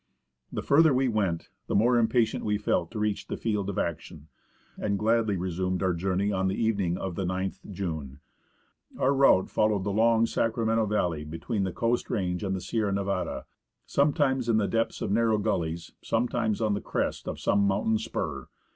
The further we went, the more impatient we felt to reach the field of action, and gladly resumed our journey on the even ing of the 9th June. Our route followed the long Sacramento valley be tween the Coast Range and Sierra Nevada, some times in the depths of narrow gullies, sometimes on the crest of some mountain spur.